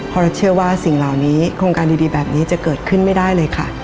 เพราะเราเชื่อว่าสิ่งเหล่านี้โครงการดีแบบนี้จะเกิดขึ้นไม่ได้เลยค่ะ